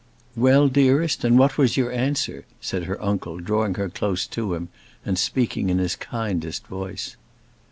"Well, dearest, and what was your answer?" said her uncle, drawing her close to him, and speaking in his kindest voice.